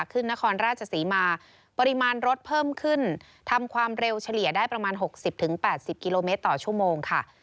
นครราชศรีมาปริมาณรถเพิ่มขึ้นทำความเร็วเฉลี่ยได้ประมาณ๖๐๘๐กิโลเมตรต่อชั่วโมงค่ะ